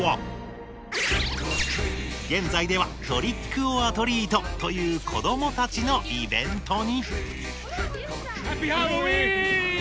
現在では「トリックオアトリート」という子どもたちのイベントにハッピーハロウィーン！